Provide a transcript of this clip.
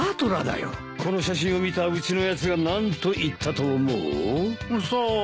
この写真を見たうちのやつが何と言ったと思う？さあ。